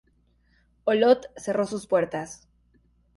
Olot cerró sus puertas.